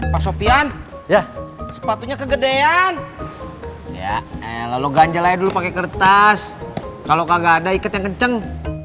pasokian sepatunya kegedean lalu ganjal aja dulu pakai kertas kalau enggak ada ikat yang kenceng